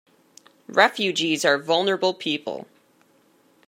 Refugees are vulnerable people.